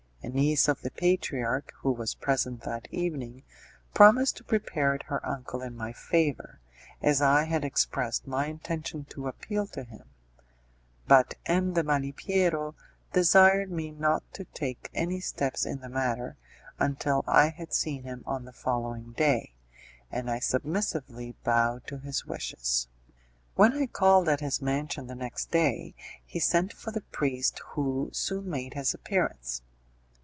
A niece of the patriarch, who was present that evening, promised to prepare her uncle in my favour, as I had expressed my intention to appeal to him; but M. de Malipiero desired me not to take any steps in the matter until I had seen him on the following day, and I submissively bowed to his wishes. When I called at his mansion the next day he sent for the priest, who soon made his appearance.